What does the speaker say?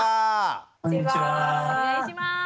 お願いします。